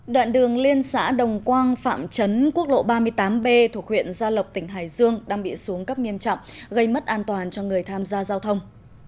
đoạn đường liên xã đồng quang phạm trấn quốc lộ ba mươi tám b thuộc huyện gia lộc tỉnh hải dương đang bị xuống cấp nghiêm trọng gây mất an toàn cho người tham gia giao thông